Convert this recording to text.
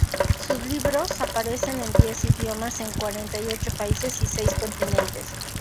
Sus libros aparecen en diez idiomas, en cuarenta y ocho países y seis continentes.